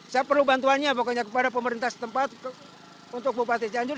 saya perlu bantuannya pokoknya kepada pemerintah setempat untuk bupati cianjur